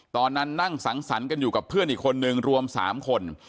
ตอนนั้นนั่งสังสรรค์กันอยู่กับเพื่อนอีกคนนึงรวม๓คน